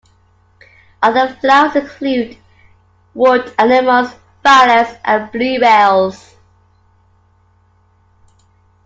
Other flowers include; wood anemones, violets and bluebells.